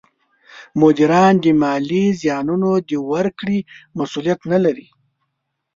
مدیران د مالي زیانونو د ورکړې مسولیت نه لري.